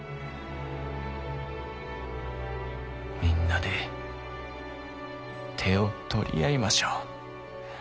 みんなで手を取り合いましょう。